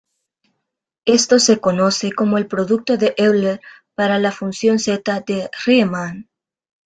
Esto se conoce como el producto de Euler para la función zeta de Riemann.